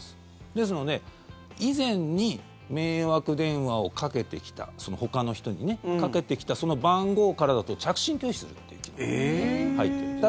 ですので、以前に迷惑電話をかけてきたほかの人にねかけてきたその番号からだと着信拒否するという機能が入ってるんです。